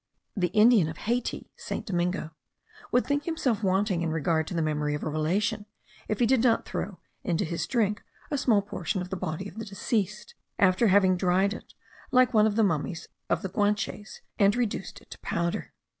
The Indian of Hayti (Saint Domingo) would think himself wanting in regard to the memory of a relation, if he did not throw into his drink a small portion of the body of the deceased, after having dried it like one of the mummies of the Guanches, and reduced it to powder.